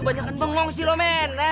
banyak yang bengkak sih lo men